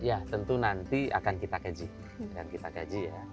ya tentu nanti akan kita keji